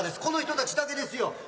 この人たちだけですよ。